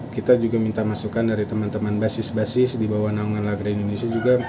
kita juga minta masukan dari teman teman basis basis di bawah naungan lagra indonesia juga